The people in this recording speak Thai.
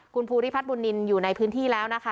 คุณภูริพัฒนบุญนินอยู่ในพื้นที่แล้วนะคะ